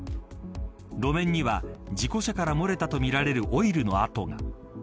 路面には事故車から漏れたとみられるオイルの跡が。